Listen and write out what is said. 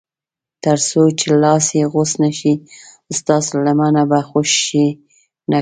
تر څو چې لاس یې غوڅ نه شي ستاسو لمنه به خوشي نه کړي.